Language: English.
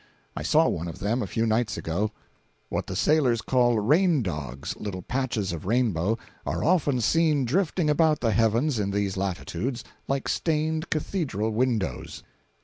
I saw one of them a few nights ago. What the sailors call "raindogs"—little patches of rainbow—are often seen drifting about the heavens in these latitudes, like stained cathedral windows.